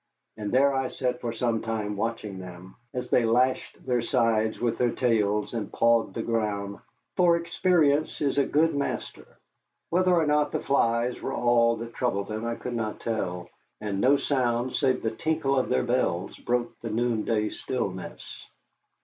And there I sat for some time watching them as they lashed their sides with their tails and pawed the ground, for experience is a good master. Whether or not the flies were all that troubled them I could not tell, and no sound save the tinkle of their bells broke the noonday stillness.